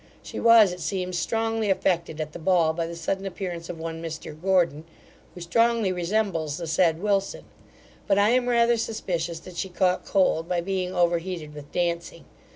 She was, it seems, strongly affected at the ball by the sudden appearance of one Mr Gordon, who strongly resembles the said Wilson; but I am rather suspicious that she caught cold by being overheated with dancing.